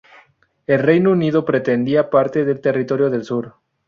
El Reino Unido pretendía parte del territorio del sur.